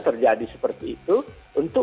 terjadi seperti itu untuk